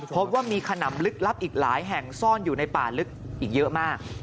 พบว่ามีขนำลึกลับอีกหลายแห่งซ่อนอยู่ในป่าลึกอีกเยอะมาก